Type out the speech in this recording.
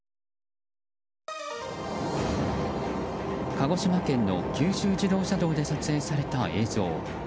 鹿児島県の九州自動車道で撮影された映像。